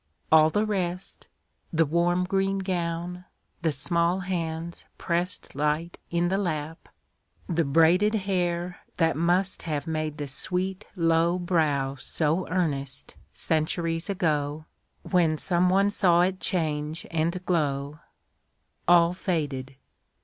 All the rest The warm green gown, the small hands pressed Light in the lap, the braided hair That must have made the sweet low brow So earnest, centuries ago, When some one saw it change and glow All faded!